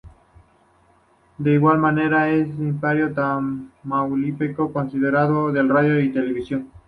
De igual manera es empresario Tamaulipeco, concesionario de Radio y Televisión.